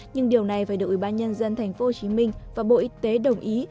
nhưng điều này phải được ủy ban nhân dân tp hcm và bộ y tế đồng ý